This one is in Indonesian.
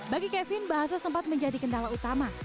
bagi kevin bahasa sempat menjadi kendala utama